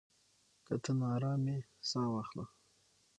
که ته ناارام يې، ساه واخله.